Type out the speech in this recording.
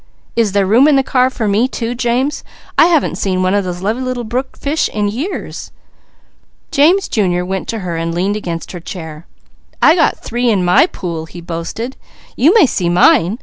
"Is there room in the car for me too, James? I haven't seen one of those little brook fish in years!" James Jr. went to her and leaned against her chair. "I got three in my pool. You may see mine!